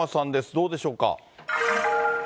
どうでしょうか。